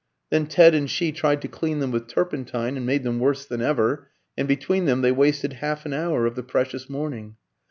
Then Ted and she tried to clean them with turpentine, and made them worse than ever, and between them they wasted half an hour of the precious morning.